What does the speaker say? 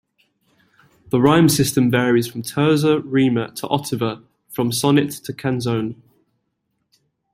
The rhyme system varies from terza rima to ottava, from sonnet to canzone.